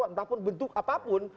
entah bentuk apapun